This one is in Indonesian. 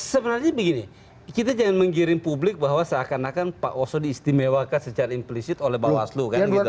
sebenarnya begini kita jangan menggirim publik bahwa seakan akan pak oso diistimewakan secara implicit oleh pak waslu